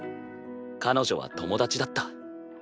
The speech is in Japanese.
彼女は友達だった。